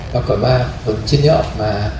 ปรากฏว่าผลชิ้นนี้ออกมา